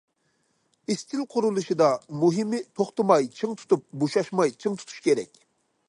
ئىستىل قۇرۇلۇشىدا مۇھىمى توختىماي چىڭ تۇتۇپ، بوشاشماي چىڭ تۇتۇش كېرەك.